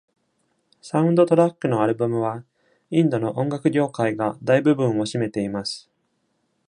サウンドトラックのアルバムは、インドの音楽業界が大部分を占めています。